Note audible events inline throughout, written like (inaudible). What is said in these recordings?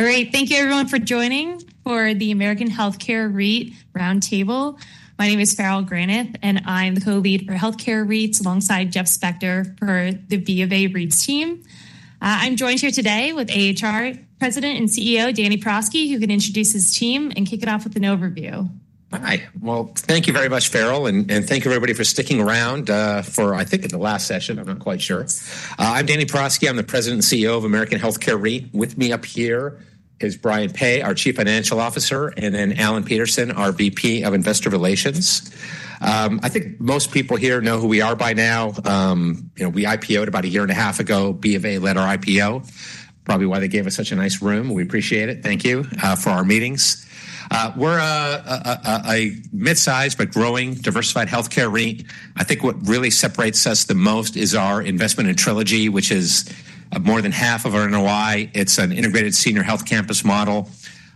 All right. Thank you, everyone, for joining for the American Healthcare REIT roundtable. My name is Farrell Granit, and I'm the Co-Lead for Healthcare REITs alongside Jeff Spector for the BofA REITs team. I'm joined here today with American Healthcare REIT President and CEO Danny Prosky, who can introduce his team and kick it off with an overview. Hi. Thank you very much, Farrell, and thank you, everybody, for sticking around for, I think, the last session. I'm not quite sure. I'm Danny Prosky. I'm the President and CEO of American Healthcare REIT. With me up here is Brian Peay, our Chief Financial Officer, and then Alan Peterson, our Vice President of Investor Relations. I think most people here know who we are by now. We IPO'd about a year and a half ago. BofA led our IPO, probably why they gave us such a nice room. We appreciate it. Thank you for our meetings. We're a mid-sized but growing diversified healthcare REIT. I think what really separates us the most is our investment in Trilogy, which is more than half of our NOI. It's an integrated senior health campus model,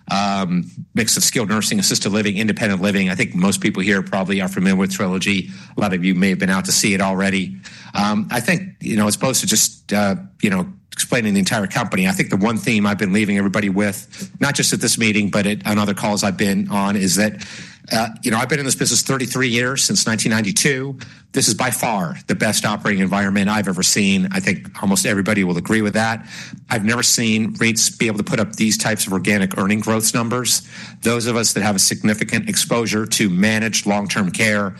a mix of skilled nursing, assisted living, and independent living. I think most people here probably are familiar with Trilogy. A lot of you may have been out to see it already. As opposed to just explaining the entire company, I think the one theme I've been leaving everybody with, not just at this meeting, but on other calls I've been on, is that I've been in this business 33 years, since 1992. This is by far the best operating environment I've ever seen. I think almost everybody will agree with that. I've never seen REITs be able to put up these types of organic earnings growth numbers. Those of us that have a significant exposure to managed long-term care,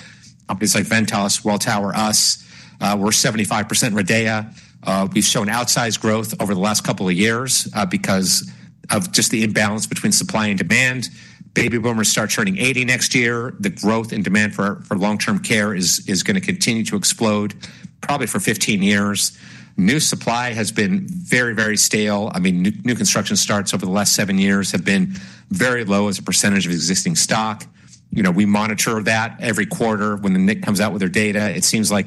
companies like Ventas, Welltower, us, we're 75% Trilogy. We've shown outsized growth over the last couple of years because of just the imbalance between supply and demand. Baby boomers start turning 80 next year. The growth in demand for long-term care is going to continue to explode probably for 15 years. New supply has been very, very stale. New construction starts over the last seven years have been very low as a percentage of existing stock. We monitor that every quarter when the NIC comes out with their data. It seems like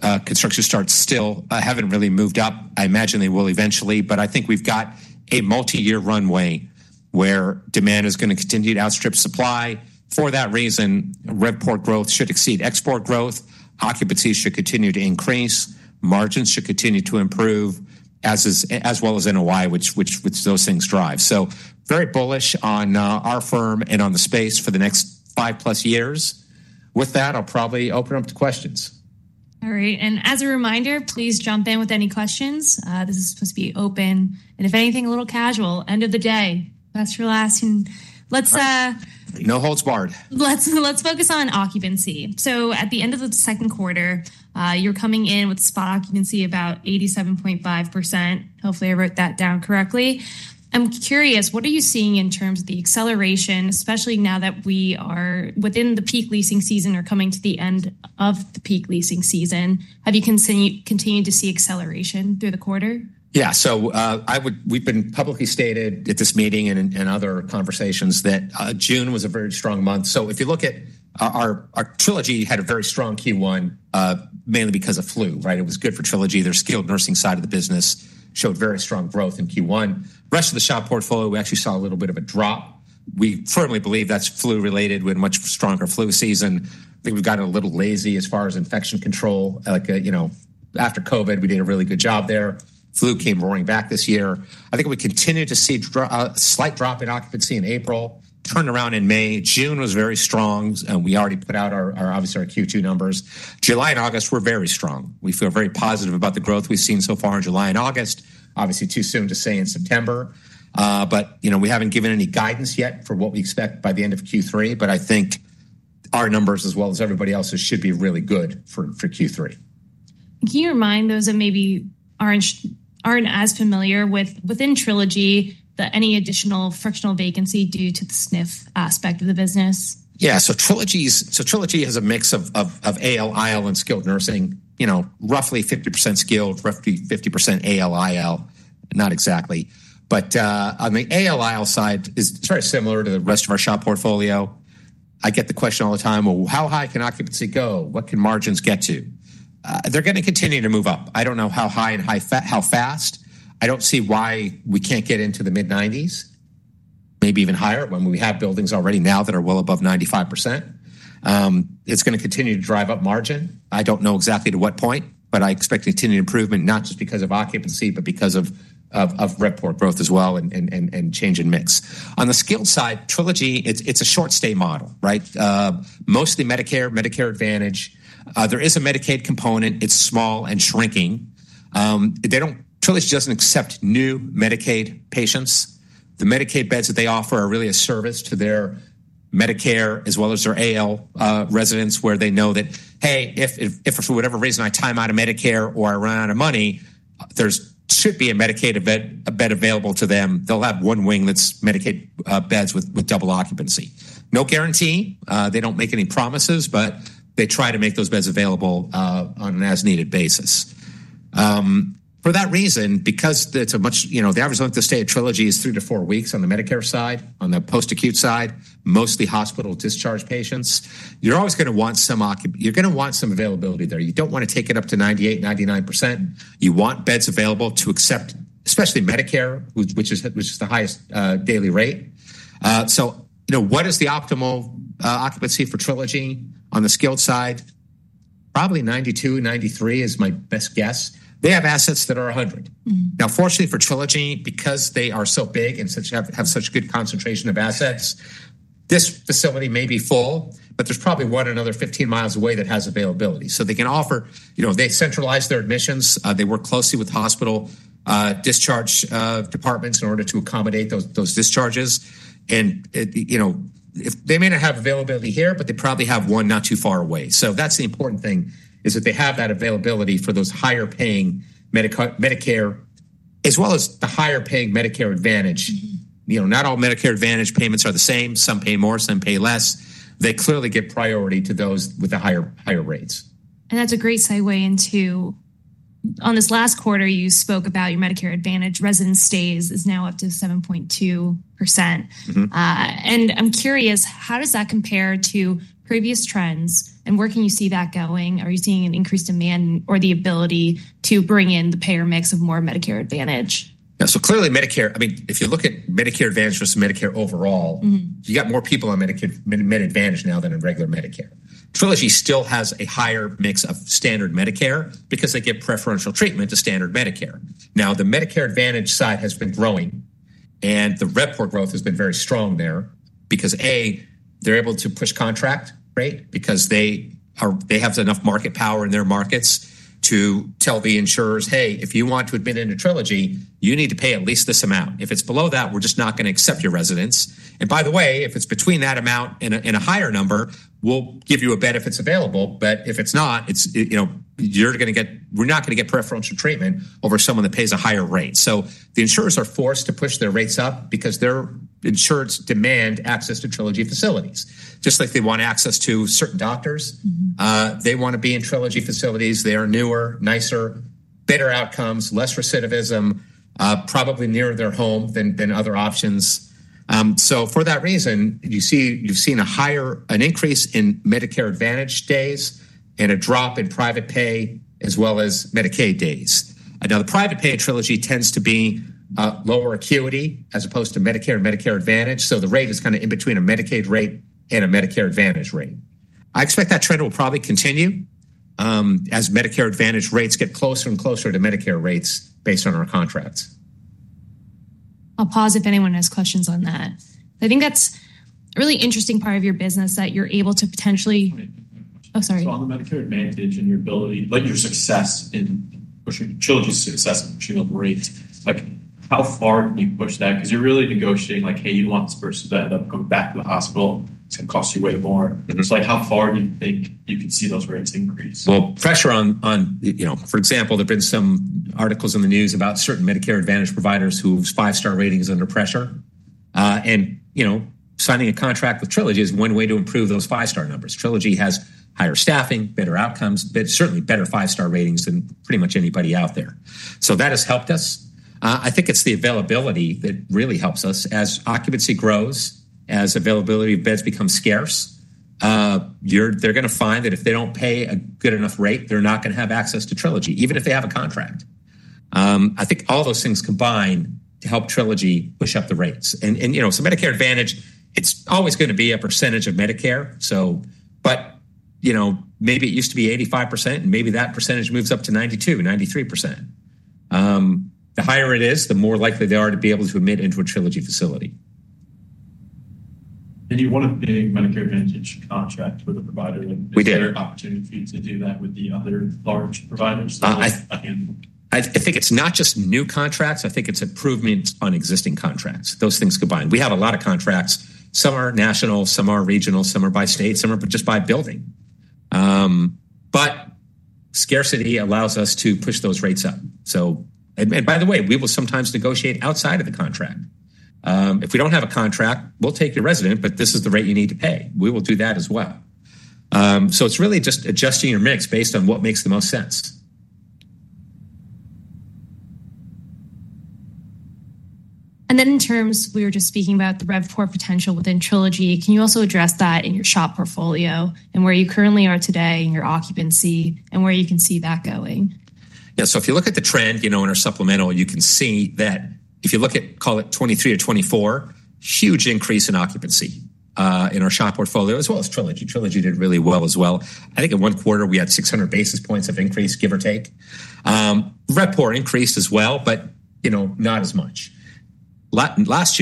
construction starts still haven't really moved up. I imagine they will eventually, but I think we've got a multi-year runway where demand is going to continue to outstrip supply. For that reason, RevPOR growth should exceed expense growth. Occupancy should continue to increase. Margins should continue to improve, as well as NOI, which those things drive. I'm very bullish on our firm and on the space for the next five-plus years. With that, I'll probably open up to questions. All right. As a reminder, please jump in with any questions. This is supposed to be open, and if anything, a little casual, end of the day, best for last. No holds barred. Let's focus on occupancy. At the end of the second quarter, you're coming in with spot occupancy at about 87.5%. Hopefully, I wrote that down correctly. I'm curious, what are you seeing in terms of the acceleration, especially now that we are within the peak leasing season or coming to the end of the peak leasing season? Have you continued to see acceleration through the quarter? Yeah. We have been publicly stated at this meeting and in other conversations that June was a very strong month. If you look at our Trilogy, it had a very strong Q1, mainly because of flu. It was good for Trilogy. Their skilled nursing side of the business showed very strong growth in Q1. The rest of the shop portfolio, we actually saw a little bit of a drop. We firmly believe that's flu related. We had a much stronger flu season. I think we've gotten a little lazy as far as infection control. After COVID, we did a really good job there. Flu came roaring back this year. I think we continue to see a slight drop in occupancy in April, turned around in May. June was very strong. We already put out our, obviously, our Q2 numbers. July and August were very strong. We feel very positive about the growth we've seen so far in July and August. Obviously, too soon to say in September. We haven't given any guidance yet for what we expect by the end of Q3. I think our numbers, as well as everybody else's, should be really good for Q3. Do you remind those that maybe aren't as familiar with within Trilogy that any additional frictional vacancy due to the skilled nursing aspect of the business? Yeah. Trilogy has a mix of AL, IL, and skilled nursing. Roughly 50% skilled, roughly 50% AL, IL. Not exactly. On the AL, IL side, it's very similar to the rest of our shop portfolio. I get the question all the time, how high can occupancy go? What can margins get to? They're going to continue to move up. I don't know how high and how fast. I don't see why we can't get into the mid-90s, maybe even higher when we have buildings already now that are well above 95%. It's going to continue to drive up margin. I don't know exactly to what point, but I expect continued improvement, not just because of occupancy, but because of RevPOR growth as well and change in mix. On the skilled side, Trilogy, it's a short-stay model. Mostly Medicare, Medicare Advantage. There is a Medicaid component. It's small and shrinking. Trilogy doesn't accept new Medicaid patients. The Medicaid beds that they offer are really a service to their Medicare as well as their AL residents, where they know that, if for whatever reason I time out of Medicare or I run out of money, there should be a Medicaid bed available to them. They'll have one wing that's Medicaid beds with double occupancy. No guarantee. They don't make any promises, but they try to make those beds available on an as-needed basis. For that reason, because the average length of stay at Trilogy is three to four weeks on the Medicare side, on the post-acute side, mostly hospital discharge patients, you're always going to want some availability there. You don't want to take it up to 98%, 99%. You want beds available to accept, especially Medicare, which is the highest daily rate. What is the optimal occupancy for Trilogy on the skilled side? Probably 92%, 93% is my best guess. They have assets that are 100%. Fortunately for Trilogy, because they are so big and have such a good concentration of assets, this facility may be full, but there's probably one another 15 miles away that has availability. They can offer, they centralize their admissions. They work closely with hospital discharge departments in order to accommodate those discharges. They may not have availability here, but they probably have one not too far away. That's the important thing, that they have that availability for those higher paying Medicare, as well as the higher paying Medicare Advantage. Not all Medicare Advantage payments are the same. Some pay more, some pay less. They clearly give priority to those with the higher rates. That's a great segue into, on this last quarter, you spoke about your Medicare Advantage resident stays is now up to 7.2%. I'm curious, how does that compare to previous trends? Where can you see that going? Are you seeing an increased demand or the ability to bring in the payer mix of more Medicare Advantage? Yeah. Clearly, Medicare, I mean, if you look at Medicare Advantage versus Medicare overall, you have more people on Medicare Advantage now than in regular Medicare. Trilogy still has a higher mix of standard Medicare because they give preferential treatment to standard Medicare. The Medicare Advantage side has been growing, and the report growth has been very strong there because, A, they're able to push contract rate because they have enough market power in their markets to tell the insurers, hey, if you want to admit into Trilogy, you need to pay at least this amount. If it's below that, we're just not going to accept your residents. By the way, if it's between that amount and a higher number, we'll give you a bed if it's available. If it's not, you're not going to get preferential treatment over someone that pays a higher rate. The insurers are forced to push their rates up because their insureds demand access to Trilogy facilities. Just like they want access to certain doctors, they want to be in Trilogy facilities. They are newer, nicer, better outcomes, less recidivism, probably near their home than other options. For that reason, you've seen an increase in Medicare Advantage days and a drop in private pay, as well as Medicaid days. The private pay at Trilogy tends to be lower acuity as opposed to Medicare and Medicare Advantage, so the rate is kind of in between a Medicaid rate and a Medicare Advantage rate. I expect that trend will probably continue as Medicare Advantage rates get closer and closer to Medicare rates based on our contracts. I'll pause if anyone has questions on that. I think that's a really interesting part of your business that you're able to potentially, sorry. On the Medicare Advantage and your ability, your success in pushing Trilogy's success in the treatment rates, how far do you push that? You're really negotiating like, hey, you don't want this person to end up going back to the hospital. It's going to cost you way more. How far do you think you can see those rates increase? Pressure on, for example, there have been some articles in the news about certain Medicare Advantage providers whose five-star rating is under pressure. Signing a contract with Trilogy is one way to improve those five-star numbers. Trilogy has higher staffing, better outcomes, but certainly better five-star ratings than pretty much anybody out there. That has helped us. I think it's the availability that really helps us. As occupancy grows, as availability of beds becomes scarce, they're going to find that if they don't pay a good enough rate, they're not going to have access to Trilogy, even if they have a contract. I think all those things combine to help Trilogy push up the rates. Medicare Advantage is always going to be a percentage of Medicare. Maybe it used to be 85%, and maybe that percentage moves up to 92%, 93%. The higher it is, the more likely they are to be able to admit into a Trilogy facility. Did you want to dig into the Medicare Advantage contract with a provider? We did. Is there an opportunity to do that with the other large providers? I think it's not just new contracts. I think it's improvements on existing contracts. Those things combine. We have a lot of contracts. Some are national, some are regional, some are by state, some are just by building. Scarcity allows us to push those rates up. By the way, we will sometimes negotiate outside of the contract. If we don't have a contract, we'll take your resident, but this is the rate you need to pay. We will do that as well. It's really just adjusting your mix based on what makes the most sense. In terms, we were just speaking about the RevPOR potential within Trilogy. Can you also address that in your SHOP portfolio and where you currently are today in your occupancy and where you can see that going? Yeah. If you look at the trend in our supplemental, you can see that if you look at, call it, 2023-2024, huge increase in occupancy in our shop portfolio, as well as Trilogy. Trilogy did really well as well. I think in one quarter, we had 600 bps of increase, give or take. RevPOR increased as well, but not as much. This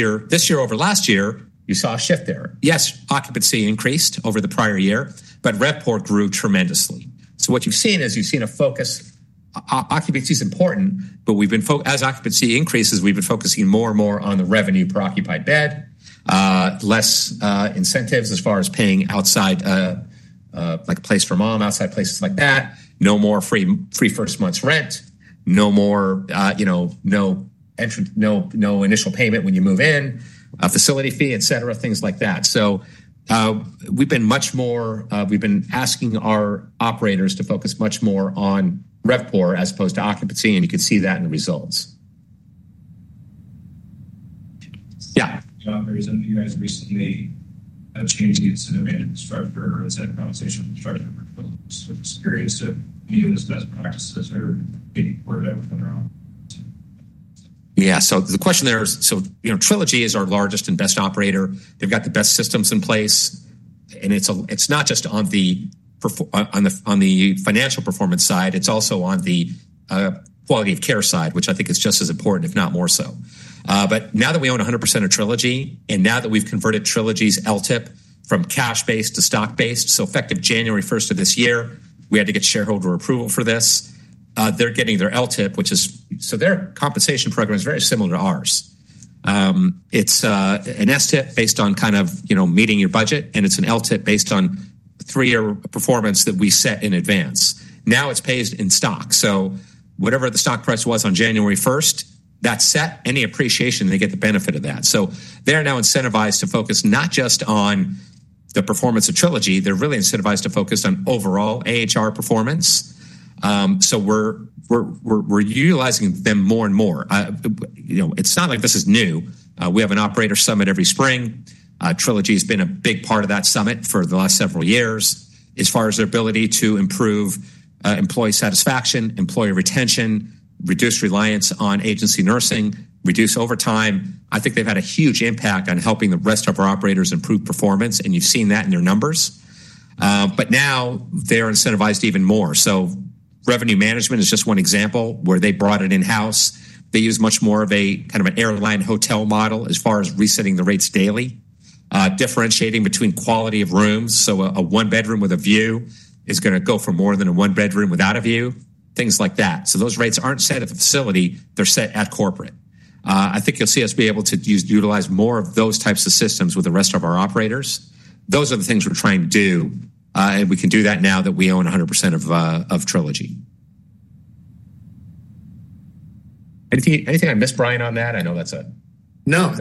year, over last year, you saw a shift there. Yes, occupancy increased over the prior year, but RevPOR grew tremendously. What you've seen is you've seen a focus. Occupancy is important, but as occupancy increases, we've been focusing more and more on the revenue per occupied bed, less incentives as far as paying outside like A Place for Mom, outside places like that. No more free first month's rent. No more initial payment when you move in, facility fee, things like that. We've been much more, we've been asking our operators to focus much more on RevPOR as opposed to occupancy, and you can see that in the results. Yeah. You guys recently had a change in structure or is that a validation? I'm just curious if you use that as a practice as far as. Yeah. The question there is, Trilogy is our largest and best operator. They've got the best systems in place. It's not just on the financial performance side. It's also on the quality of care side, which I think is just as important, if not more so. Now that we own 100% of Trilogy, and now that we've converted Trilogy's LTIP from cash-based to stock-based, effective January 1st, 2024, we had to get shareholder approval for this. They're getting their LTIP, which is, their compensation program is very similar to ours. It's an STIP based on kind of meeting your budget, and it's an LTIP based on three-year performance that we set in advance. Now it's paid in stock. Whatever the stock price was on January 1st, that's set. Any appreciation, they get the benefit of that. They're now incentivized to focus not just on the performance of Trilogy. They're really incentivized to focus on overall AHR performance. We're utilizing them more and more. It's not like this is new. We have an operator summit every spring. Trilogy has been a big part of that summit for the last several years. As far as their ability to improve employee satisfaction, employee retention, reduce reliance on agency nursing, reduce overtime, I think they've had a huge impact on helping the rest of our operators improve performance. You've seen that in their numbers. Now they're incentivized even more. Revenue management is just one example where they brought it in-house. They use much more of an airline hotel model as far as resetting the rates daily, differentiating between quality of rooms. A one-bedroom with a view is going to go for more than a one-bedroom without a view, things like that. Those rates aren't set at the facility. They're set at corporate. I think you'll see us be able to utilize more of those types of systems with the rest of our operators. Those are the things we're trying to do. We can do that now that we own 100% of Trilogy. Anything I missed, Brian, on that? I know that's a lot.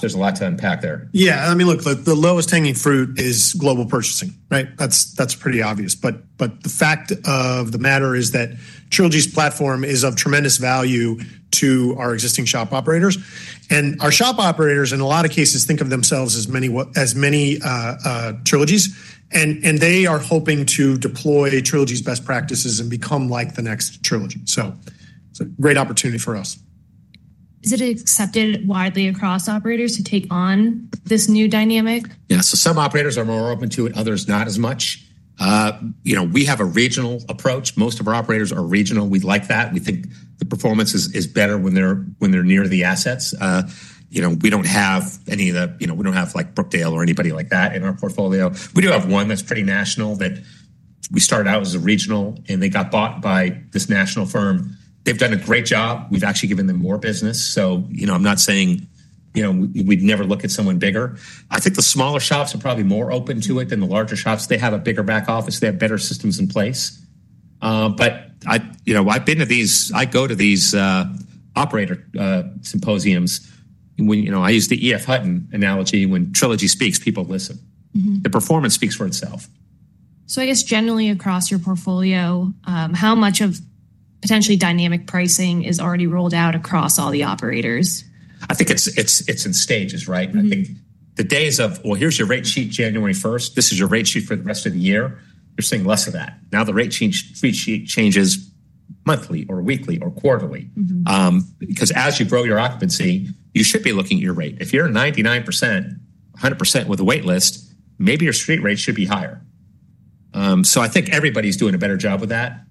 There's a lot to unpack there. Yeah. I mean, look, the lowest hanging fruit is global purchasing. That's pretty obvious. The fact of the matter is that Trilogy's platform is of tremendous value to our existing shop operators. Our shop operators, in a lot of cases, think of themselves as many Trilogies. They are hoping to deploy Trilogy's best practices and become like the next Trilogy. It's a great opportunity for us. Is it accepted widely across operators to take on this new dynamic? Some operators are more open to it, others not as much. We have a regional approach. Most of our operators are regional. We like that. We think the performance is better when they're near the assets. We don't have any of the, we don't have like Brookdale or anybody like that in our portfolio. We do have one that's pretty national that we started out as a regional, and they got bought by this national firm. They've done a great job. We've actually given them more business. I'm not saying we'd never look at someone bigger. I think the smaller shops are probably more open to it than the larger shops. They have a bigger back office. They have better systems in place. I've been to these, I go to these operator symposiums. I use the EF Hutton analogy. When Trilogy speaks, people listen. The performance speaks for itself. I guess generally across your portfolio, how much of potentially dynamic pricing is already rolled out across all the operators? I think it's in stages, right? I think the days of, here's your rate sheet January 1st, this is your rate sheet for the rest of the year, you're seeing less of that. Now the rate sheet changes monthly or weekly or quarterly. Because as you grow your occupancy, you should be looking at your rate. If you're 99%, 100% with a waitlist, maybe your street rate should be higher. I think everybody's doing a better job with that.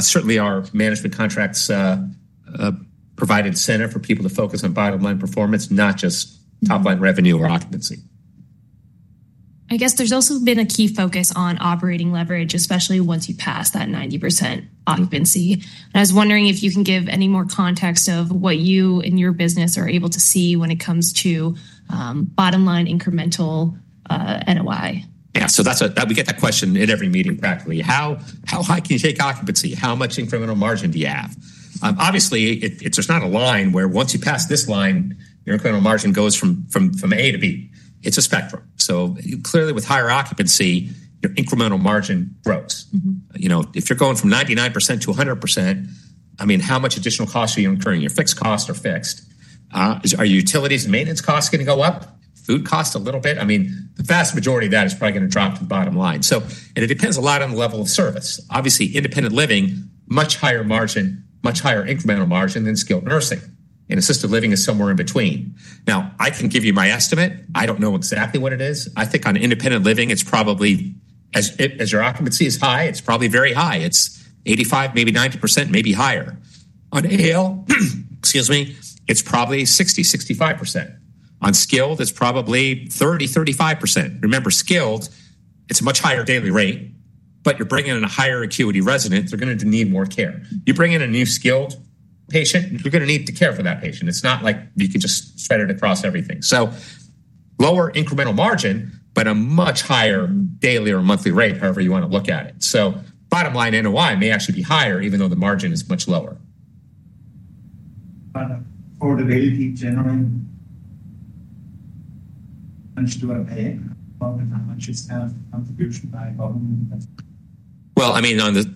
Certainly, our management contracts provide incentive for people to focus on bottom line performance, not just top line revenue or occupancy. I guess there's also been a key focus on operating leverage, especially once you pass that 90% occupancy. I was wondering if you can give any more context of what you and your business are able to see when it comes to bottom line incremental NOI. Yeah. We get that question in every meeting practically. How high can you take occupancy? How much incremental margin do you have? Obviously, there's not a line where once you pass this line, your incremental margin goes from A to B. It's a spectrum. Clearly, with higher occupancy, your incremental margin grows. If you're going from 99% to 100%, I mean, how much additional cost are you incurring? Your fixed costs are fixed. Are your utilities and maintenance costs going to go up? Food costs a little bit. The vast majority of that is probably going to drop to the bottom line. It depends a lot on the level of service. Obviously, independent living, much higher margin, much higher incremental margin than skilled nursing. Assisted living is somewhere in between. I can give you my estimate. I don't know exactly what it is. I think on independent living, as your occupancy is high, it's probably very high. It's 85%, maybe 90%, maybe higher. On AL, excuse me, it's probably 60%-65%. On skilled, it's probably 30%-35%. Remember, skilled, it's a much higher daily rate, but you're bringing in a higher acuity resident. They're going to need more care. You bring in a new skilled patient, you're going to need to care for that patient. It's not like you can just set it across everything. Lower incremental margin, but a much higher daily or monthly rate, however you want to look at it. Bottom line NOI may actually be higher, even though the margin is much lower. Affordability, gentlemen, unsure about pay. How does that just have contribution by home? On the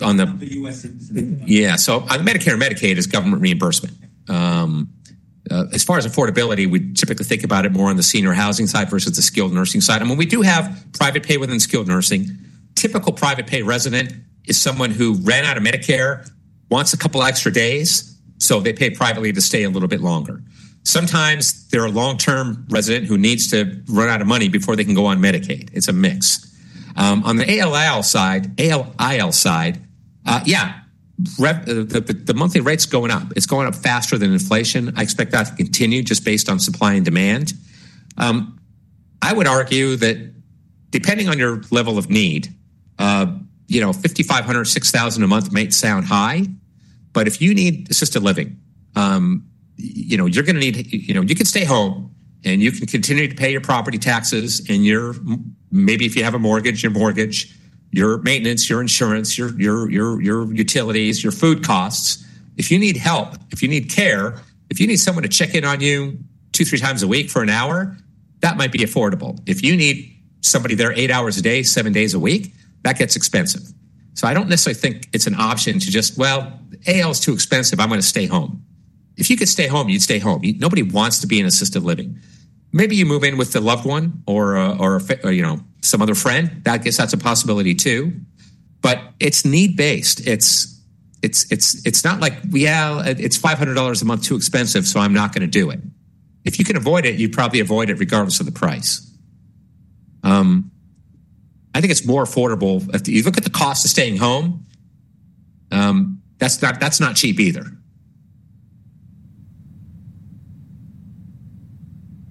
Medicare and Medicaid side, it is government reimbursement. As far as affordability, we typically think about it more on the senior housing side versus the skilled nursing side. We do have private pay within skilled nursing. A typical private pay resident is someone who ran out of Medicare, wants a couple of extra days, so they pay privately to stay a little bit longer. Sometimes there are long-term residents who need to run out of money before they can go on Medicaid. It's a mix. On the AL, IL side, the monthly rate's going up. It's going up faster than inflation. I expect that to continue just based on supply and demand. I would argue that depending on your level of need, $5,500, $6,000 a month might sound high. If you need assisted living, you can stay home and you can continue to pay your property taxes and your, maybe if you have a mortgage, your mortgage, your maintenance, your insurance, your utilities, your food costs. If you need help, if you need care, if you need someone to check in on you two, three times a week for an hour, that might be affordable. If you need somebody there eight hours a day, seven days a week, that gets expensive. I don't necessarily think it's an option to just say AL is too expensive, I'm going to stay home. If you could stay home, you'd stay home. Nobody wants to be in assisted living. Maybe you move in with a loved one or some other friend. I guess that's a possibility too. It's need-based. It's not like, it's $500 a month too expensive, so I'm not going to do it. If you can avoid it, you'd probably avoid it regardless of the price. I think it's more affordable if you look at the cost of staying home. That's not cheap either.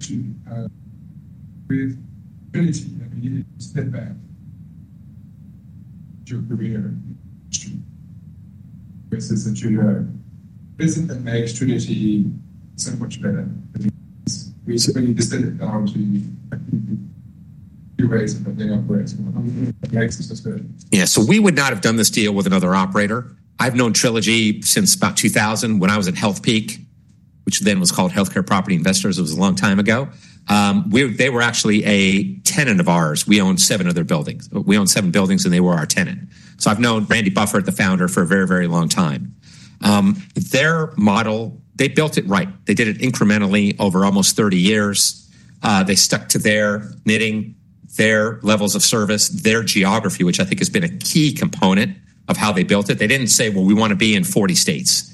(audio distortion) Yeah. We would not have done this deal with another operator. I've known Trilogy since about 2000 when I was at Health Peak, which then was called Healthcare Property Investors. It was a long time ago. They were actually a tenant of ours. We owned seven of their buildings. We owned seven buildings, and they were our tenant. I've known Randy Buffett, the founder, for a very, very long time. Their model, they built it right. They did it incrementally over almost 30 years. They stuck to their knitting, their levels of service, their geography, which I think has been a key component of how they built it. They didn't say, we want to be in 40 states.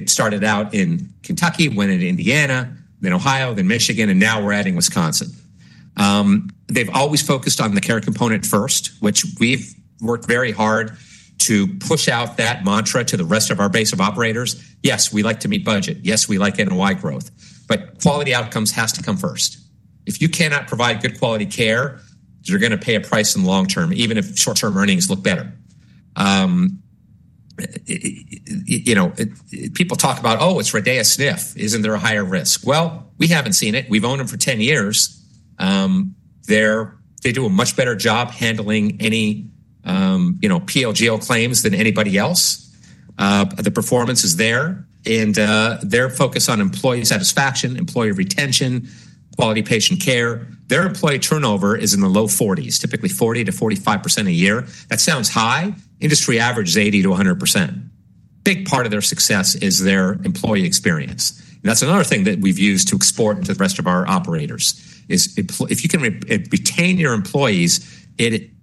They started out in Kentucky, went into Indiana, then Ohio, then Michigan, and now we're adding Wisconsin. They've always focused on the care component first, which we've worked very hard to push out that mantra to the rest of our base of operators. Yes, we like to meet budget. Yes, we like NOI growth. Quality outcomes have to come first. If you cannot provide good quality care, you're going to pay a price in the long term, even if short-term earnings look better. People talk about, oh, it's Redeya Sniff. Isn't there a higher risk? We haven't seen it. We've owned them for 10 years. They do a much better job handling any PLGL claims than anybody else. The performance is there. Their focus on employee satisfaction, employee retention, quality patient care, their employee turnover is in the low 40s, typically 40%-45% a year. That sounds high. Industry average is 80%-100%. A big part of their success is their employee experience. That's another thing that we've used to export into the rest of our operators. If you can retain your employees,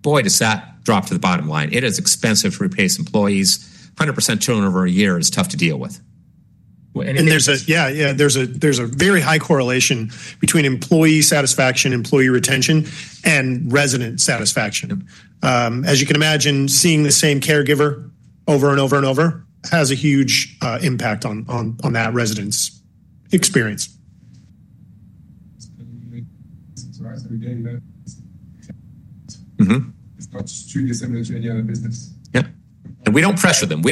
boy, does that drop to the bottom line. It is expensive to replace employees. 100% turnover a year is tough to deal with. There is a very high correlation between employee satisfaction, employee retention, and resident satisfaction. As you can imagine, seeing the same caregiver over and over and over has a huge impact on that resident's experience. That's true. Yeah, we don't pressure them. We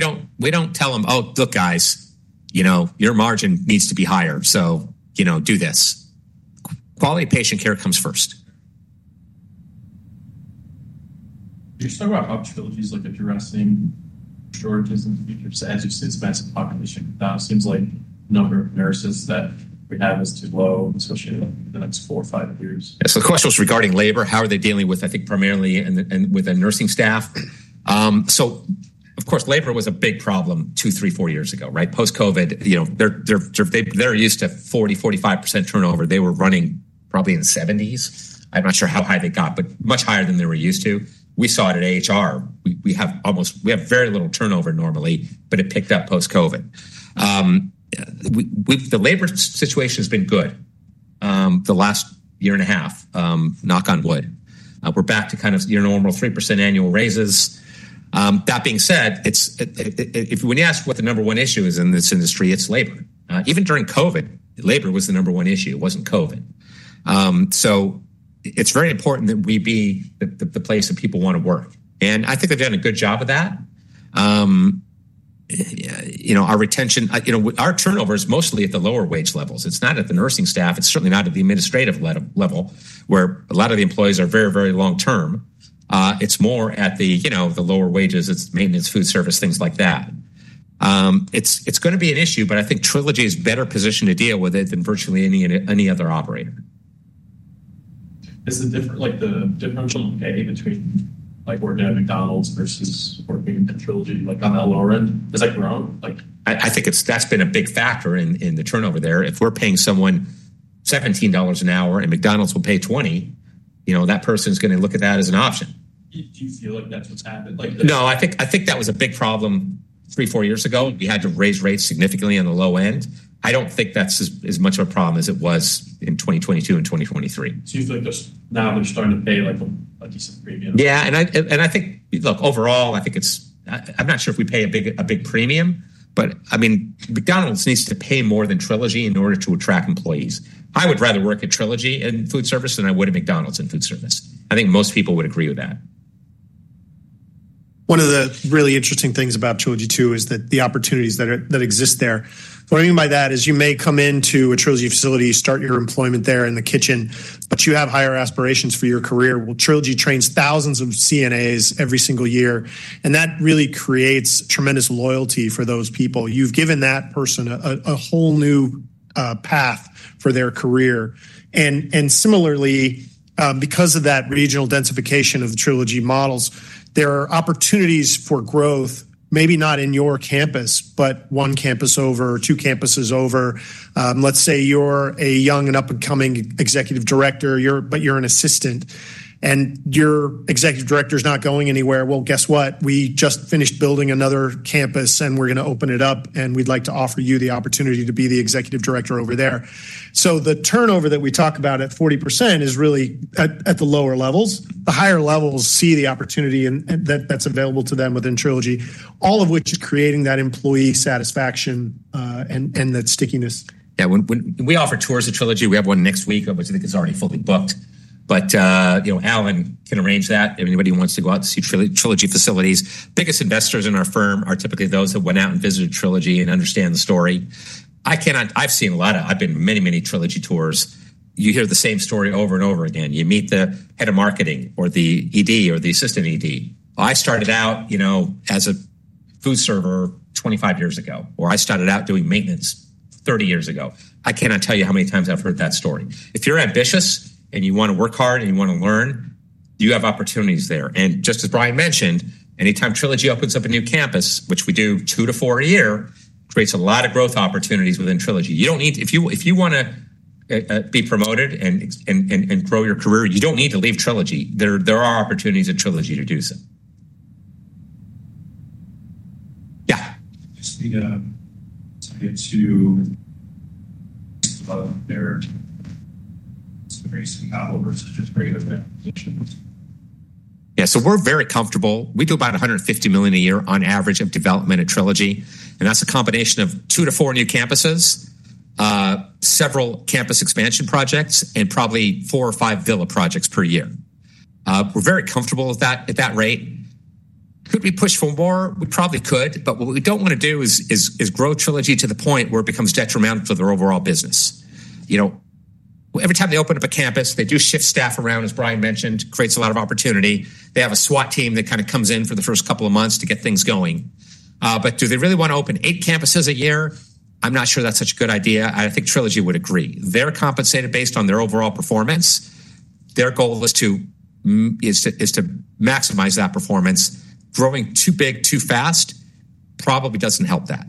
don't tell them, oh, look, guys, you know your margin needs to be higher, so you know, do this. Quality patient care comes first. You're talking about how Trilogy is looking to address nursing shortages in the future. It's a massive population. It seems like the number of nurses that we have is too low, especially over the next four or five years. Yeah. The question was regarding labor. How are they dealing with, I think, primarily with a nursing staff? Labor was a big problem two, three, four years ago, right? Post-COVID, they're used to 40%-45% turnover. They were running probably in the 70%. I'm not sure how high they got, but much higher than they were used to. We saw it at American Healthcare REIT. We have very little turnover normally, but it picked up post-COVID. The labor situation has been good the last year and a half. Knock on wood. We're back to kind of your normal 3% annual raises. That being said, when you ask what the number one issue is in this industry, it's labor. Even during COVID, labor was the number one issue. It wasn't COVID. It's very important that we be the place that people want to work. I think they've done a good job of that. Our turnovers are mostly at the lower wage levels. It's not at the nursing staff. It's certainly not at the administrative level where a lot of the employees are very, very long term. It's more at the lower wages. It's maintenance, food service, things like that. It's going to be an issue, but I think Trilogy Health Services is better positioned to deal with it than virtually any other operator. This is different. Like the difference on pay between working at McDonald's versus working at Trilogy Health Services, like on that lower end. Has that grown? I think that's been a big factor in the turnover there. If we're paying someone $17 an hour and McDonald's will pay $20, that person is going to look at that as an option. Do you see that that's happened? No, I think that was a big problem three or four years ago. We had to raise rates significantly on the low end. I don't think that's as much of a problem as it was in 2022 and 2023. Seems like they're now starting to pay a decent premium. I think, overall, it's, I'm not sure if we pay a big premium, but McDonald's needs to pay more than Trilogy in order to attract employees. I would rather work at Trilogy in food service than I would at McDonald's in food service. I think most people would agree with that. One of the really interesting things about Trilogy too is that the opportunities that exist there. What I mean by that is you may come into a Trilogy facility, start your employment there in the kitchen, but you have higher aspirations for your career. Trilogy trains thousands of CNAs every single year. That really creates tremendous loyalty for those people. You've given that person a whole new path for their career. Similarly, because of that regional densification of the Trilogy models, there are opportunities for growth, maybe not in your campus, but one campus over or two campuses over. Let's say you're a young and up-and-coming Executive Director, but you're an assistant and your Executive Director is not going anywhere. Guess what? We just finished building another campus, and we're going to open it up. We'd like to offer you the opportunity to be the Executive Director over there. The turnover that we talk about at 40% is really at the lower levels. The higher levels see the opportunity that's available to them within Trilogy, all of which are creating that employee satisfaction and that stickiness. Yeah. When we offer tours of Trilogy, we have one next week, which I think is already fully booked. Alan can arrange that. Anybody who wants to go out to see Trilogy facilities, biggest investors in our firm are typically those that went out and visited Trilogy and understand the story. I cannot, I've seen a lot of, I've been to many, many Trilogy tours. You hear the same story over and over again. You meet the head of marketing or the ED or the assistant ED. I started out as a food server 25 years ago, or I started out doing maintenance 30 years ago. I cannot tell you how many times I've heard that story. If you're ambitious and you want to work hard and you want to learn, you have opportunities there. Just as Brian mentioned, anytime Trilogy opens up a new campus, which we do two to four a year, it creates a lot of growth opportunities within Trilogy. If you want to be promoted and grow your career, you don't need to leave Trilogy. There are opportunities at Trilogy to do so. Yeah, it's very small versus just very good. Yeah. We're very comfortable. We do about $150 million a year on average of development at Trilogy. That's a combination of two to four new campuses, several campus expansion projects, and probably four or five BILA projects per year. We're very comfortable with that at that rate. Could we push for more? We probably could. What we don't want to do is grow Trilogy to the point where it becomes detrimental for their overall business. Every time they open up a campus, they do shift staff around, as Brian mentioned, creates a lot of opportunity. They have a SWAT team that comes in for the first couple of months to get things going. Do they really want to open eight campuses a year? I'm not sure that's such a good idea. I think Trilogy would agree. They're compensated based on their overall performance. Their goal is to maximize that performance. Growing too big, too fast probably doesn't help that.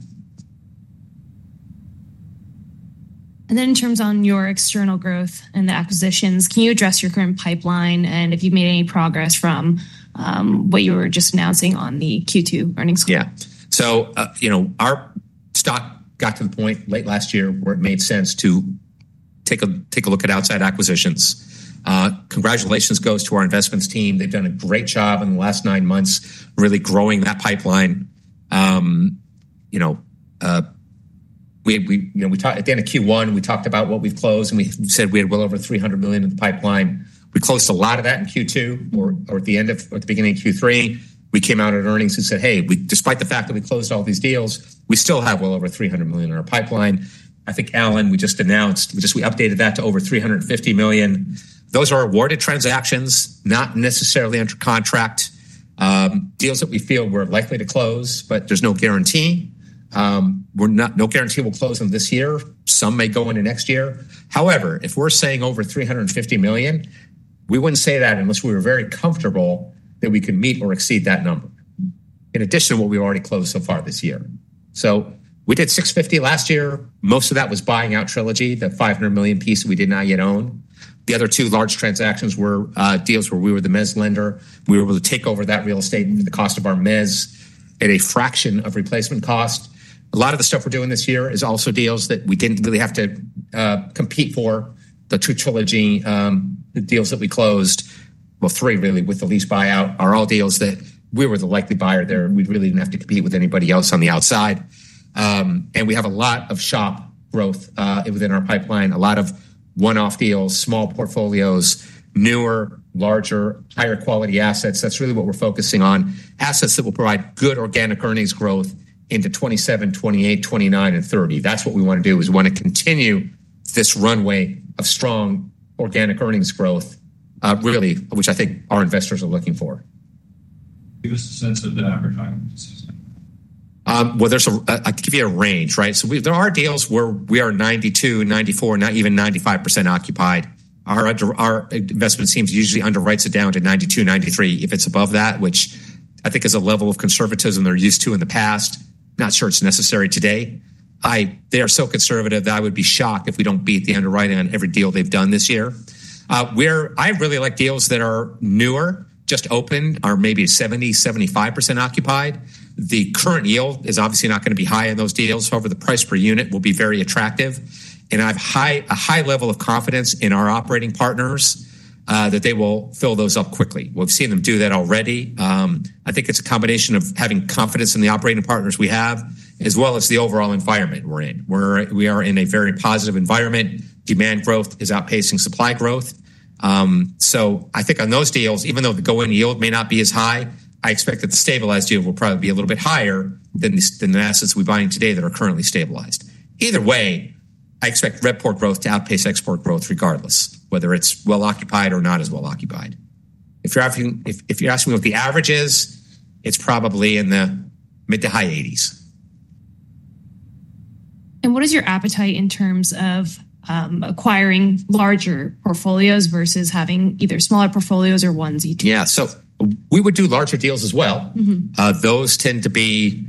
In terms of your external growth and the acquisitions, can you address your current acquisition pipeline and if you've made any progress from what you were just announcing on the Q2 earnings? Yeah. Our stock got to the point late last year where it made sense to take a look at outside acquisitions. Congratulations go to our investments team. They've done a great job in the last nine months really growing that pipeline. At the end of Q1, we talked about what we've closed, and we said we had well over $300 million in the pipeline. We closed a lot of that in Q2 or at the beginning of Q3. We came out in earnings and said, hey, despite the fact that we closed all these deals, we still have well over $300 million in our pipeline. I think, Alan, we just announced, we just updated that to over $350 million. Those are awarded transactions, not necessarily under contract. Deals that we feel we're likely to close, but there's no guarantee. No guarantee we'll close them this year. Some may go into next year. However, if we're saying over $350 million, we wouldn't say that unless we were very comfortable that we could meet or exceed that number, in addition to what we've already closed so far this year. We did $650 million last year. Most of that was buying out Trilogy, that $500 million piece that we did not yet own. The other two large transactions were deals where we were the mezz lender. We were able to take over that real estate and the cost of our mezz at a fraction of replacement cost. A lot of the stuff we're doing this year is also deals that we didn't really have to compete for. The two Trilogy deals that we closed, three really with the lease buyout, are all deals that we were the likely buyer there. We really didn't have to compete with anybody else on the outside. We have a lot of shop growth within our pipeline, a lot of one-off deals, small portfolios, newer, larger, higher quality assets. That's really what we're focusing on, assets that will provide good organic earnings growth into 2027, 2028, 2029, and 2030. That's what we want to do. We want to continue this runway of strong organic earnings growth, really, which I think our investors are looking for. Give us a sense of the average. I can give you a range, right? There are deals where we are 92%, 94%, not even 95% occupied. Our investment team usually underwrites it down to 92%-93% if it's above that, which I think is a level of conservatism they're used to in the past. Not sure it's necessary today. They are so conservative that I would be shocked if we don't beat the underwriting on every deal they've done this year. I really like deals that are newer, just opened, are maybe 70%-75% occupied. The current yield is obviously not going to be high in those deals. However, the price per unit will be very attractive. I have a high level of confidence in our operating partners that they will fill those up quickly. We've seen them do that already. I think it's a combination of having confidence in the operating partners we have, as well as the overall environment we're in. We are in a very positive environment. Demand growth is outpacing supply growth. I think on those deals, even though the going yield may not be as high, I expect that the stabilized yield will probably be a little bit higher than the assets we're buying today that are currently stabilized. Either way, I expect RevPOR growth to outpace expense growth regardless, whether it's well occupied or not as well occupied. If you're asking what the average is, it's probably in the mid to high 80s. What is your appetite in terms of acquiring larger portfolios versus having either smaller portfolios or ones you do? Yeah. We would do larger deals as well. Those tend to be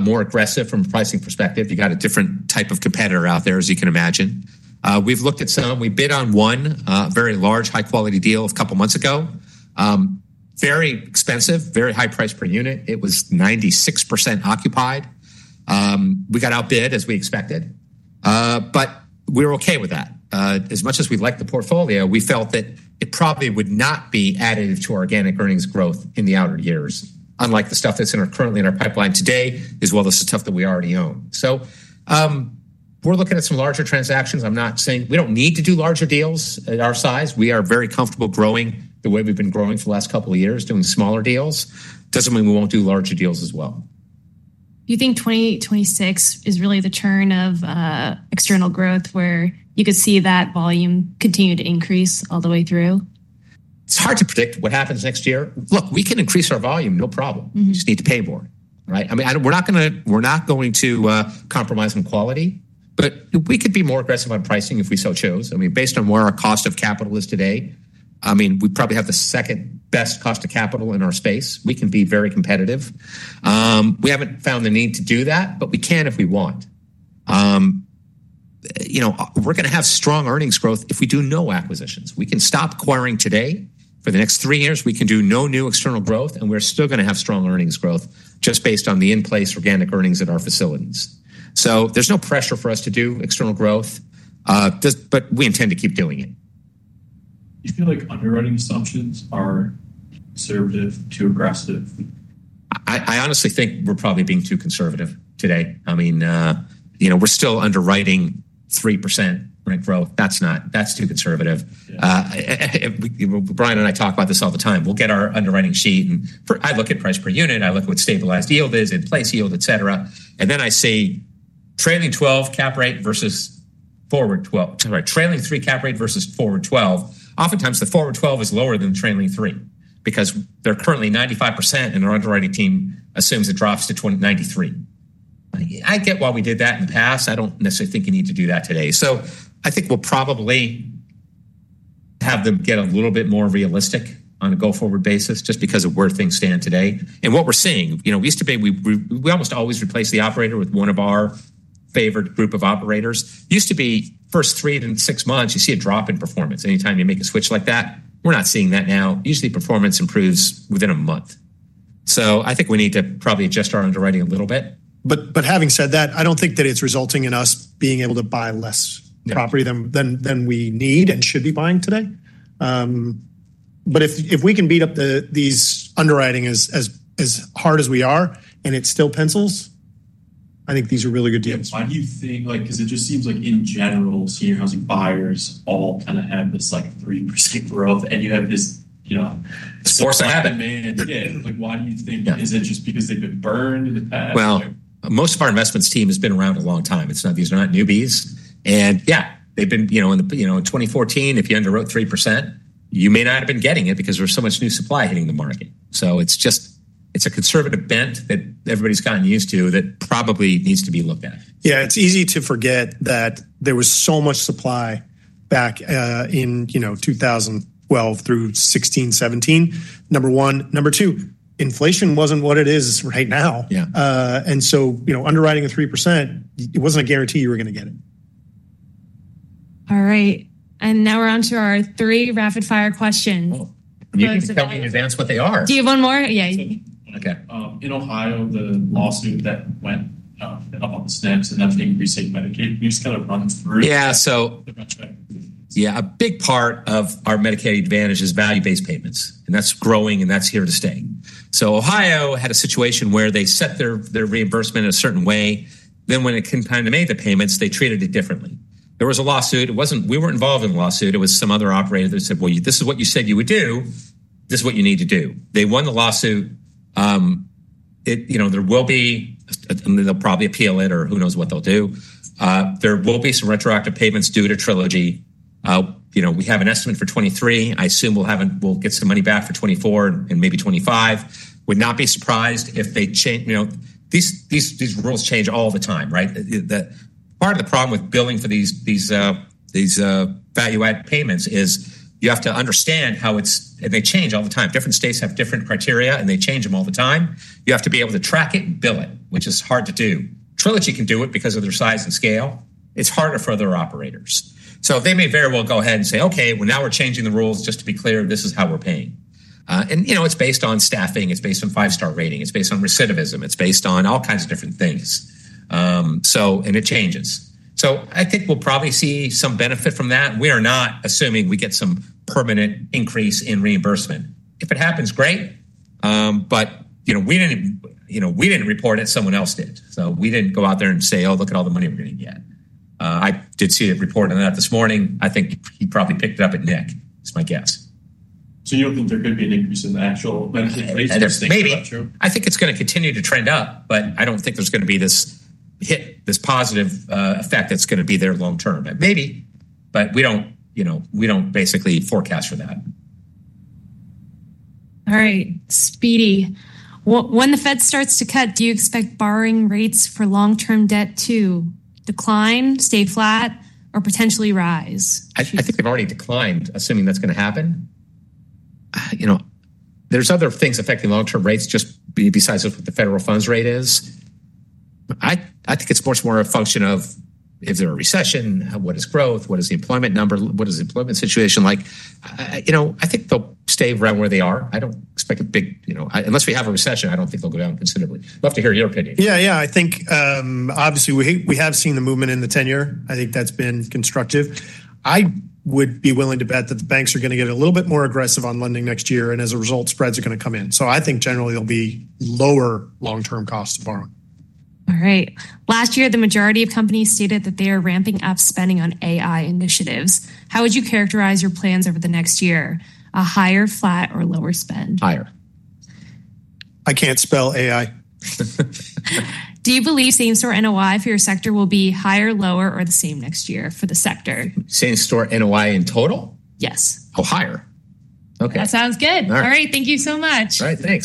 more aggressive from a pricing perspective. You've got a different type of competitor out there, as you can imagine. We've looked at some. We bid on one very large high-quality deal a couple of months ago. Very expensive, very high price per unit. It was 96% occupied. We got outbid as we expected. We were okay with that. As much as we liked the portfolio, we felt that it probably would not be additive to organic earnings growth in the outer years, unlike the stuff that's currently in our pipeline today, as well as the stuff that we already own. We are looking at some larger transactions. I'm not saying we don't need to do larger deals at our size. We are very comfortable growing the way we've been growing for the last couple of years, doing smaller deals. That doesn't mean we won't do larger deals as well. You think 2026 is really the turn of external growth where you could see that volume continue to increase all the way through? It's hard to predict what happens next year. Look, we can increase our volume, no problem. We just need to pay more. I mean, we're not going to compromise on quality, but we could be more aggressive on pricing if we so chose. I mean, based on where our cost of capital is today, we probably have the second best cost of capital in our space. We can be very competitive. We haven't found the need to do that, but we can if we want. We're going to have strong earnings growth if we do no acquisitions. We can stop acquiring today. For the next three years, we can do no new external growth, and we're still going to have strong earnings growth just based on the in-place organic earnings at our facilities. There is no pressure for us to do external growth, but we intend to keep doing it. Do you feel like underwriting assumptions are conservative to aggressive? I honestly think we're probably being too conservative today. I mean, we're still underwriting 3% rent growth. That's not, that's too conservative. Brian and I talk about this all the time. We'll get our underwriting sheet, and I look at price per unit. I look at what stabilized yield is, in-place yield, et cetera. I see trailing 12 cap rate versus forward 12, trailing 3 cap rate versus forward 12. Oftentimes, the forward 12 is lower than the trailing 3 because they're currently 95%, and their underwriting team assumes it drops to 93%. I get why we did that in the past. I don't necessarily think you need to do that today. I think we'll probably have them get a little bit more realistic on a go-forward basis just because of where things stand today and what we're seeing. We used to be, we almost always replace the operator with one of our favorite group of operators. It used to be the first three to six months, you see a drop in performance. Anytime you make a switch like that, we're not seeing that now. Usually, performance improves within a month. I think we need to probably adjust our underwriting a little bit. Having said that, I don't think that it's resulting in us being able to buy less property than we need and should be buying today. If we can beat up these underwriting as hard as we are and it still pencils, I think these are really good deals. Why do you think, because it just seems like in general, senior housing buyers all kind of have this like 3% growth and you have this source of having many, why do you think is it just because they've been burned? Most of our investments team has been around a long time. These are not newbies. They've been, you know, in 2014, if you underwrote 3%, you may not have been getting it because there's so much new supply hitting the market. It's a conservative bent that everybody's gotten used to that probably needs to be looked at. Yeah. It's easy to forget that there was so much supply back in, you know, 2012 through 2016, 2017. Number one. Number two, inflation wasn't what it is right now. Yeah. Underwriting at 3%, it wasn't a guarantee you were going to get it. All right, now we're on to our three rapid-fire questions. You guys have got to answer what they are. Do you have one more? Yeah. In Ohio, the lawsuit that went up on the stamps and that's increasing Medicaid, can you just kind of run through? A big part of our Medicare Advantage is value-based payments. That's growing and that's here to stay. Ohio had a situation where they set their reimbursement in a certain way. When it came time to make the payments, they treated it differently. There was a lawsuit. We weren't involved in the lawsuit. It was some other operator that said, this is what you said you would do, this is what you need to do. They won the lawsuit. There will be, and they'll probably appeal it or who knows what they'll do. There will be some retroactive payments due to Trilogy. We have an estimate for 2023. I assume we'll get some money back for 2024 and maybe 2025. I would not be surprised if they change. These rules change all the time, right? Part of the problem with billing for these value-based payments is you have to understand how it's, and they change all the time. Different states have different criteria and they change them all the time. You have to be able to track it and bill it, which is hard to do. Trilogy can do it because of their size and scale. It's harder for other operators. They may very well go ahead and say, okay, now we're changing the rules. Just to be clear, this is how we're paying. It's based on staffing. It's based on five-star rating. It's based on recidivism. It's based on all kinds of different things, and it changes. I think we'll probably see some benefit from that. We are not assuming we get some permanent increase in reimbursement. If it happens, great. We didn't report it. Someone else did. We didn't go out there and say, oh, look at all the money we're getting yet. I did see a report on that this morning. I think he probably picked it up at NIC. It's my guess. You don't think there could be an increase in the actual benefits, at least? I think it's going to continue to trend up, but I don't think there's going to be this hit, this positive effect that's going to be there long term. Maybe, but we don't, you know, we don't basically forecast for that. All right. When the Fed starts to cut, do you expect borrowing rates for long-term debt to decline, stay flat, or potentially rise? I think they've already declined, assuming that's going to happen. There are other things affecting long-term rates besides what the federal funds rate is. I think it's much more a function of if there's a recession, what is growth, what is the employment number, what is the employment situation like. I think they'll stay around where they are. I don't expect a big, unless we have a recession, I don't think they'll go down considerably. I'd love to hear your opinion. Yeah, I think obviously we have seen the movement in the tenure. I think that's been constructive. I would be willing to bet that the banks are going to get a little bit more aggressive on lending next year. As a result, spreads are going to come in. I think generally there'll be lower long-term costs to borrow. All right. Last year, the majority of companies stated that they are ramping up spending on AI initiatives. How would you characterize your plans over the next year? A higher, flat, or lower spend? Higher. I can't spell A.I. Do you believe same-store NOI for your sector will be higher, lower, or the same next year for the sector? Same-store NOI in total? Yes. Oh, higher. Okay, that sounds good. All right, thank you so much. All right. Thanks.